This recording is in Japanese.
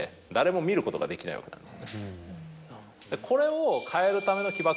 これを。